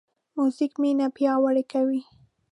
موزیک مینه پیاوړې کوي.